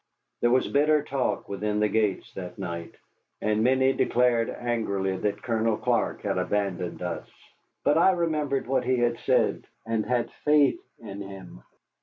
There was bitter talk within the gates that night, and many declared angrily that Colonel Clark had abandoned us. But I remembered what he had said, and had faith in him.